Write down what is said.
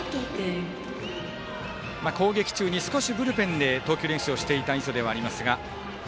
攻撃中に少しブルペンで投球練習をしていた磯ではありますが。